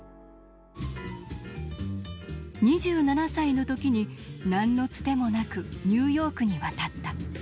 ２７歳の時に何のつてもなくニューヨークに渡った。